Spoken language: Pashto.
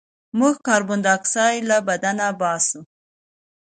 موږ کاربن ډای اکسایډ له بدن وباسو